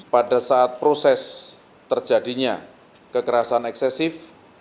pada saat proses terjadinya kekerasan eksesif